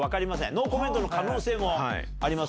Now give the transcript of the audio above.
ノーコメントの可能性もあります